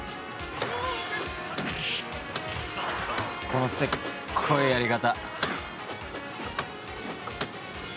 このせっこいやり方